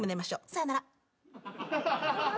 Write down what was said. さよなら。